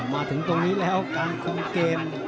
มาถึงตรงนี้แล้วการคุมเกม